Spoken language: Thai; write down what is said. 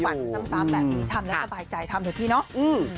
ซ้ำแบบนี้ทำแล้วสบายใจทำเถอะพี่เนาะ